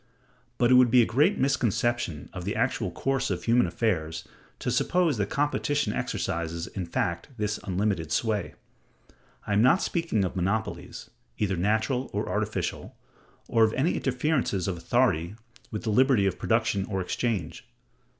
But it would be a great misconception of the actual course of human affairs to suppose that competition exercises in fact this unlimited sway. I am not speaking of monopolies, either natural or artificial, or of any interferences of authority with the liberty of production or exchange.